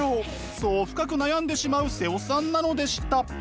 そう深く悩んでしまう妹尾さんなのでした。